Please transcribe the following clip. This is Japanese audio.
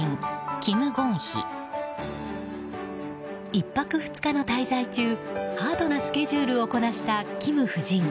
１泊２日の滞在中ハードなスケジュールをこなしたキム夫人。